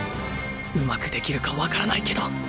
うまくできるか分からないけど